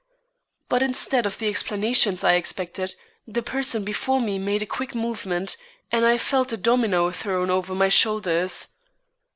But instead of the explanations I expected, the person before me made a quick movement, and I felt a domino thrown over my shoulders.